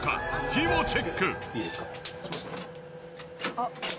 あっ。